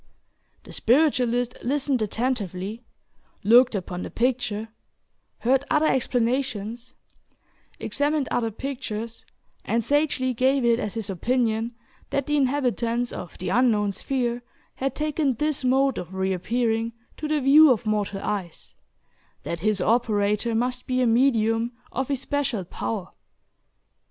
The spiritualist listened attentively, looked upon the picture, heard other explanations, examined other pictures, and sagely gave it as his opinion that the inhabitants of the unknown sphere had taken this mode of re appearing to the view of mortal eyes, that this operator must be a "medium" of especial power.